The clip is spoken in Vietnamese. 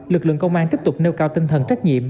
lực lượng công an tiếp tục nêu cao tinh thần trách nhiệm